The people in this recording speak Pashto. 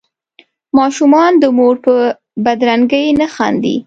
ماشومان د مور په بدرنګۍ نه خاندي.